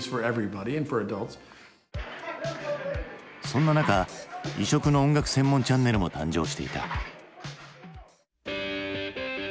そんな中異色の音楽専門チャンネルも誕生していた。